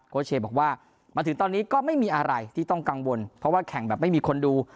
เชบอกว่ามาถึงตอนนี้ก็ไม่มีอะไรที่ต้องกังวลเพราะว่าแข่งแบบไม่มีคนดู